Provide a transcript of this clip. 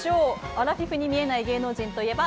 アラフィフに見えない芸能人といえば？